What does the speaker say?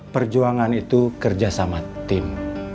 perjuangan itu kerja sama tim